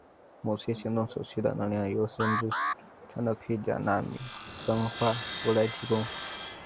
某些行动所需的能量由先知所穿的盔甲纳米生化服来提供。